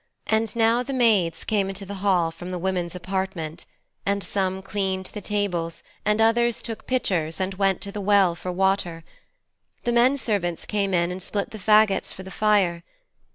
And now the maids came into the hall from the women's apartment, and some cleaned the tables and others took pitchers and went to the well for water. Then men servants came in and split the fagots for the fire.